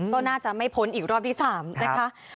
ก็น่าจะไม่พ้นอีกรอบที่๓นะคะ